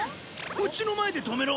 うちの前で止めろ。